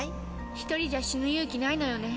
「一人じゃ死ぬ勇気ないのよね」